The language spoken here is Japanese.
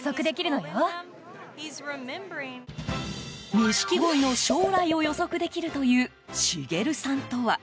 錦鯉の将来を予測できるというシゲルさんとは？